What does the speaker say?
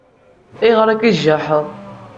Ayɣer akka i tjaḥeḍ?